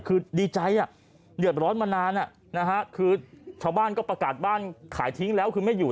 คือดีใจเดือดร้อนมานานคือชาวบ้านก็ประกาศบ้านขายทิ้งแล้วคือไม่อยู่